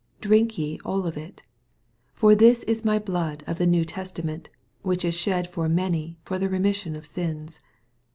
Drink ye all of it ; 28 For this is my blood of the new testament, which is shed fbr many for the remission of sins.